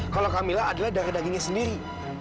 kalau kamila adalah darah dagingnya sendiri